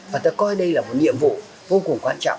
và tôi coi đây là một nhiệm vụ vô cùng quan trọng